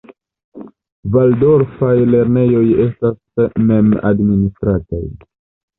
Valdorfaj lernejoj estas mem-administrataj.